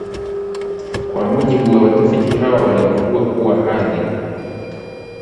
Kwa mujibu wa watafiti hawa waligundua kuwa hadhi